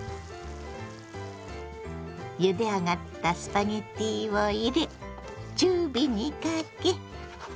ゆで上がったスパゲッティを入れ中火にかけ。